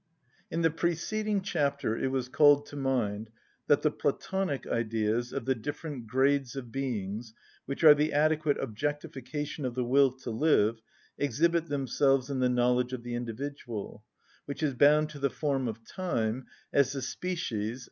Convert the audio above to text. In the preceding chapter it was called to mind that the (Platonic) Ideas of the different grades of beings, which are the adequate objectification of the will to live, exhibit themselves in the knowledge of the individual, which is bound to the form of time, as the species, _i.